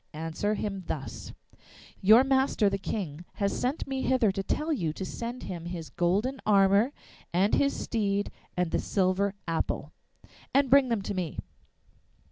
'' Answer him thus: 'Your master the King has sent me hither to tell you to send him his golden armour and his steed and the silver apple.'' And bring them to me.